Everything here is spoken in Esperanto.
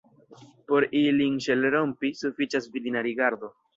Por ilin ŝelrompi, sufiĉas virina rigardo.